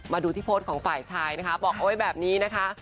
มาดูที่โพสต์ของฝ่ายชายนะคะบอกเอาไว้แบบนี้นะคะ